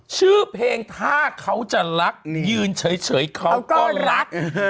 ชื่อเพลงถ้าเขาจะรักยืนเฉยเขาก็รัก